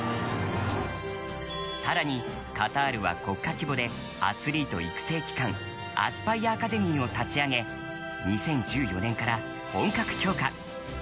更に、カタールは国家規模でアスリート育成機関アスパイア・アカデミーを立ち上げ２０１４年から本格強化。